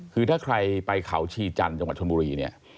คือถ้าใครไปเขาชีจันทร์จังหวัดชนบุรีเนี่ย